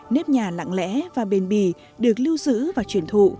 nếp nhà lặng lẽ và bền bì được lưu giữ và truyền thụ